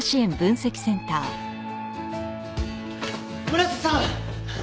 村瀬さん！